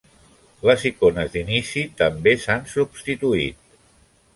Les icones d'inici també s'han substituït.